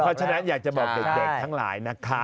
เพราะฉะนั้นอยากจะบอกเด็กทั้งหลายนะคะ